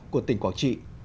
của tỉnh quảng trị